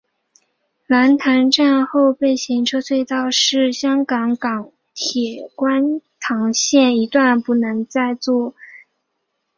蓝田站后备行车隧道是香港港铁观塘线一段不再作日常行车用的路轨。